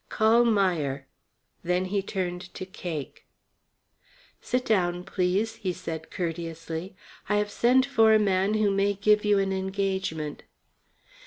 Call Meier." Then he turned to Cake. "Sit down, please," he said courteously. "I have sent for a man who may give you an engagement."